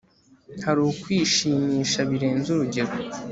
hari ukwishimisha birenze urugero